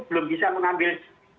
belum bisa mengambil